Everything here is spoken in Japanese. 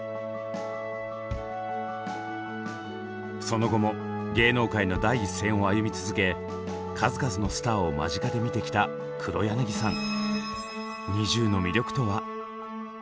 その後も芸能界の第一線を歩み続け数々のスターを間近で見てきた黒柳さん。